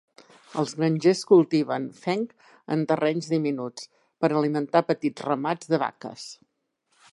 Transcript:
Els grangers cultiven fenc en terrenys diminuts per alimentar petits ramats de vaques.